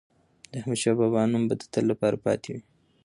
د احمدشاه بابا نوم به د تل لپاره پاتې وي.